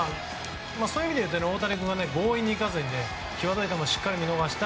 そういうところでいうと大谷君が強引にいかずにきわどい球をしっかり見逃して。